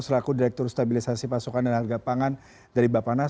selaku direktur stabilisasi pasokan dan harga pangan dari bapak nas